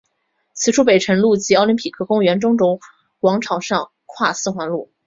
此处北辰路及奥林匹克公园中轴广场上跨四环路。